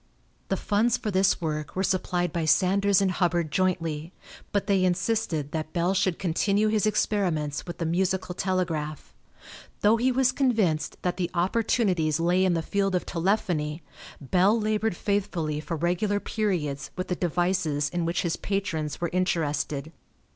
The funds for this work were supplied by Sanders and Hubbard jointly, but they insisted that Bell should continue his experiments with the musical telegraph. Though he was convinced that the opportunities lay in the field of telephony, Bell labored faithfully for regular periods with the devices in which his patrons were interested.